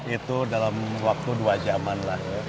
itu dalam waktu dua jam an lah